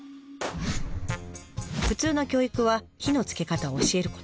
普通の教育は火のつけ方を教えること。